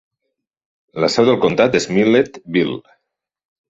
La seu del comtat és Milledgeville.